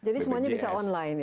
jadi semuanya bisa online